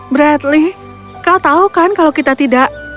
bradley kau tahu kan kalau kita tidak